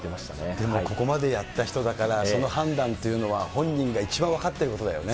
でもここまでやった人だから、その判断というのは、本人が一番分かってることだよね。